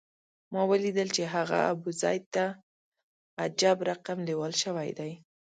ما ولیدل چې هغه ابوزید ته عجب رقم لېوال شوی دی.